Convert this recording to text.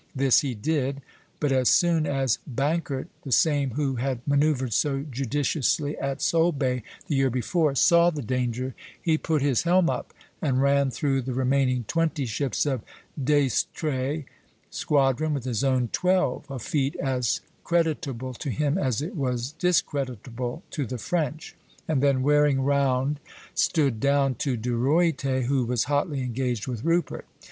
This he did (B); but as soon as Bankert the same who had manoeuvred so judiciously at Solebay the year before saw the danger, he put his helm up and ran through the remaining twenty ships of D'Estrées' squadron with his own twelve (C), a feat as creditable to him as it was discreditable to the French; and then wearing round stood down to De Ruyter, who was hotly engaged with Rupert (C').